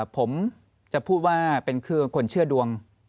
ผมจะพูดว่าเป็นคนเชื่อดวง